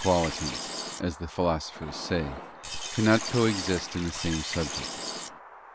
qualities, as the philosophers say, cannot co exist in the same subject.